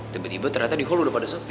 tiba tiba ternyata di hall udah pada sepi